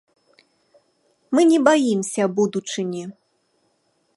Мы не баімся будучыні.